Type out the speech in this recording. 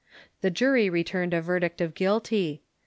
The jury returned a verdict of guilty.